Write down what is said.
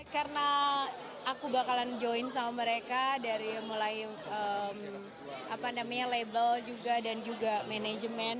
karena aku bakalan join sama mereka dari mulai label juga dan juga manajemen